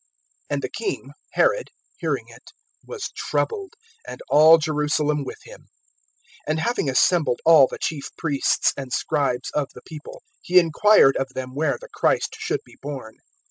(3)And the king, Herod, hearing it, was troubled, and all Jerusalem with him. (4)And having assembled all the chief priests and scribes of the people, he inquired of them where the Christ should be born.